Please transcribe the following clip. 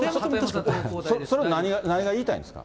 それ、何が言いたいんですか？